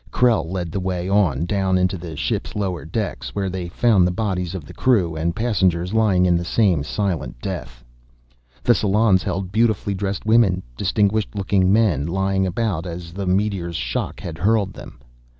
Krell led the way on, down into the ship's lower decks, where they found the bodies of the crew and passengers lying in the same silent death. The salons held beautifully dressed women, distinguished looking men, lying about as the meteor's shock had hurled them.